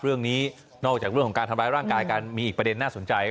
เรื่องนี้นอกจากเรื่องของการทำร้ายร่างกายกันมีอีกประเด็นน่าสนใจ